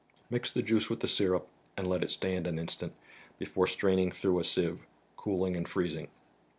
Mix the juice with the syrup, and let it stand an instant, before straining through a sieve, cooling and freezing.